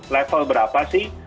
level berapa sih